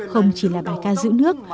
không chỉ là bài ca giữ nước